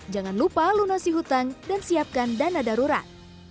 jangan lupa lunasi hutang dan siapkan dana darurat